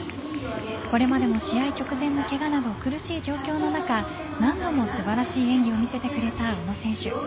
これまでも試合直前のケガなど苦しい状況の中何度も素晴らしい演技を見せてくれた宇野選手。